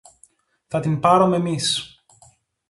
Θα την πάρομε εμείς.